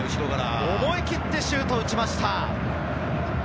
思い切ってシュートを打ちました。